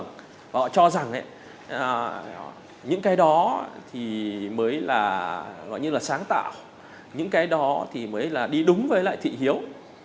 những cái đó thì mới là đi đúng với lại thị hiếu